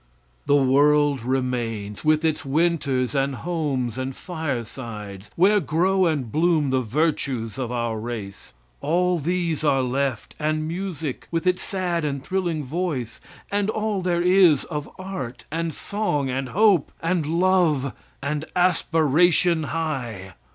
The world remains, with its Winters and homes and firesides, where grow and bloom the virtues of our race. All these are left; and music, with its sad and thrilling voice, and all there is of art and song and hope, and love and aspiration high.